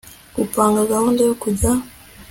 gupanga gahunda yo kujya